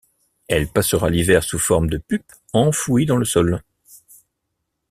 Elle passera l'hiver sous forme de pupe enfouie dans le sol.